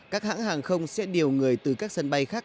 các hãng hàng không sẽ điều người từ các sân bay khác